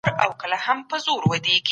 په کورنۍ کې مشران نه بې احترامه کېږي.